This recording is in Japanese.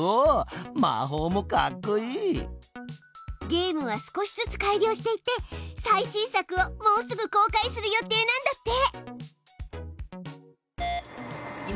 ゲームは少しずつ改良していって最新作をもうすぐ公開する予定なんだって。